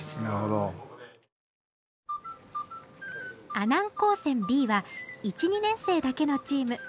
阿南高専Ｂは１２年生だけのチーム。